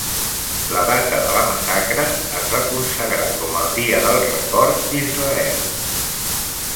La data de la massacre es va consagrar com el Dia del Record d'Israel.